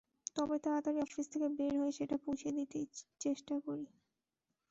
তবে তাড়াতাড়ি অফিস থেকে বের হয়ে সেটা পুষিয়ে দিতে চেষ্টা করি।